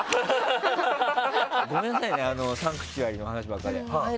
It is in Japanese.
ごめんなさいね「サンクチュアリ」の話ばっかで。